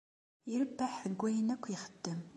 Irebbeḥ deg wayen akk ixeddem.